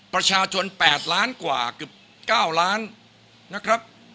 ประชาชนแปดล้านกว่าคือก้าวล้านนะครับ